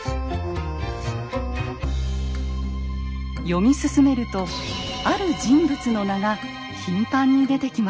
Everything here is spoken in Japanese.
読み進めるとある人物の名が頻繁に出てきました。